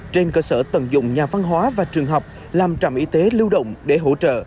trên cơ sở tận dụng nhà văn hóa và trường học làm trạm y tế lưu động để hỗ trợ